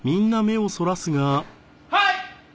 はい！